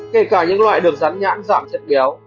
kể cả những loại được rắn nhãn giảm chất béo